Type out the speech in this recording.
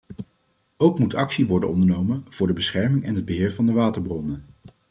Ook moet actie worden ondernomen voor de bescherming en het beheer van de waterbronnen.